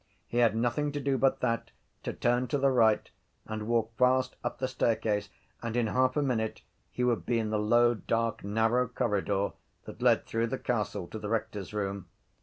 He had nothing to do but that; to turn to the right and walk fast up the staircase and in half a minute he would be in the low dark narrow corridor that led through the castle to the rector’s room.